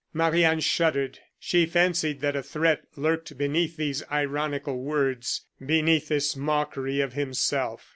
Marie Anne shuddered. She fancied that a threat lurked beneath these ironical words, beneath this mockery of himself.